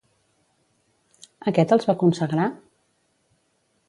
Aquest els va consagrar?